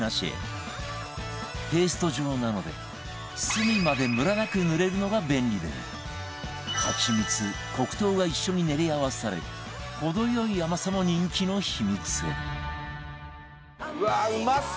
ペースト状なので隅までムラなく塗れるのが便利でハチミツ黒糖が一緒に練り合わされ程良い甘さも人気の秘密